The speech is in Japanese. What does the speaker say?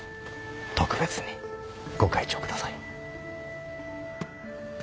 特別にご開帳ください。